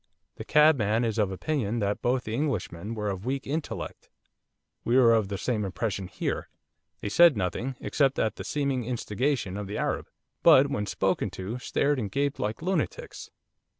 The cabman is of opinion that both the Englishmen were of weak intellect. We were of the same impression here. They said nothing, except at the seeming instigation of the Arab, but when spoken to stared and gaped like lunatics.